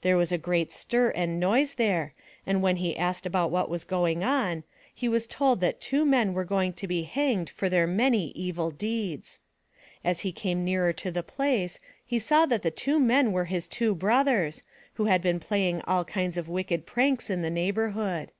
There was a great stir and noise there and when he asked what was going on, he was told that two men were going to be hanged for their many evil deeds. As he came nearer to. the place he saw that the two men were his two brothers, who had been playing all kinds of wicked pranks in the neighborhood.